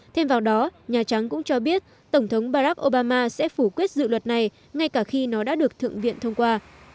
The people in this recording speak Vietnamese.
thêm vào đó nhà trắng cũng cho biết tổng thống barack obama sẽ phủ quyết dự luật này ngay cả khi nó đã được thượng viện thông qua